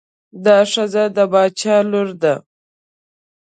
دا ښځه د باچا لور ده.